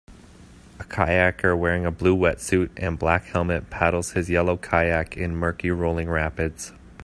A kayaker wearing a blue wetsuit and black helmet paddles his yellow kayak in murky rolling rapids.